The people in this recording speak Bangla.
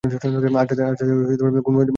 আজ রাতে মনে হয় না সেটা সম্ভব হবে, দুঃখিত!